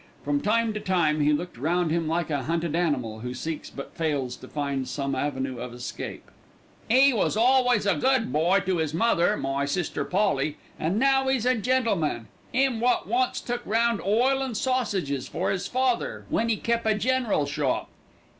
From time to time he looked round him like a hunted animal who seeks but fails to find some avenue of escape. "'E was always a good boy to 'is mother, my sister Polly, an' now 'e's a gentleman, 'im wot once took round oil an' sausages for 'is father when 'e kep' a general shop.